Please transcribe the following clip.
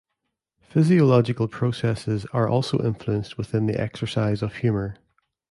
Physiological processes are also influenced within the exercise of humor.